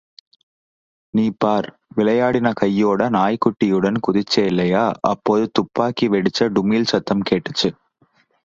நீ பார் விளையாடின கையோட நாய்க்குட்டியுடன் குதிச்சேயில்லையா, அப்போது துப்பாக்கி வெடிச்ச டுமீல் சத்தம் கேட்டுச்சு.